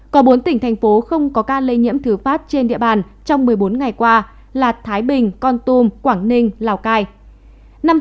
có bốn tỉnh thành phố không có ca lây nhiễm thứ phát trên địa bàn trong một mươi bốn ngày qua là thái bình con tum quảng ninh lào cai